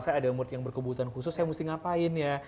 saya ada murid yang berkebutuhan khusus saya mesti ngapain ya